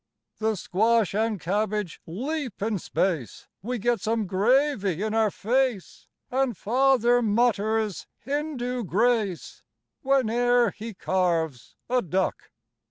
The squash and cabbage leap in space We get some gravy in our face And Father mutters Hindu grace Whene'er he carves a duck.